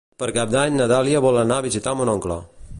Per Cap d'Any na Dàlia vol anar a visitar mon oncle.